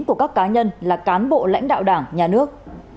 của các cá nhân là cán bộ lãnh đạo đảng nhà nước